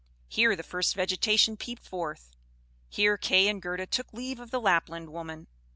Here the first vegetation peeped forth; here Kay and Gerda took leave of the Lapland woman.